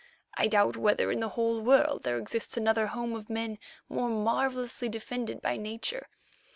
I doubt whether in the whole world there exists another home of men more marvellously defended by nature.